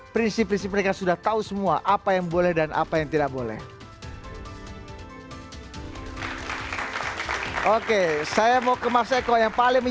prinsip prinsip mereka sudah tahu semua apa yang boleh dan apa yang tidak boleh